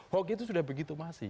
hoki itu sudah begitu masih